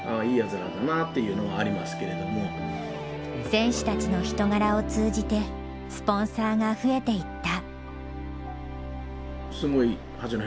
選手たちの人柄を通じてスポンサーが増えていった。